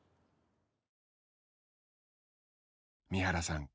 「三原さん